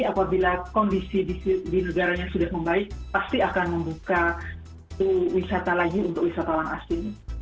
apabila kondisi di negaranya sudah membaik pasti akan membuka wisata lagi untuk wisatawan asing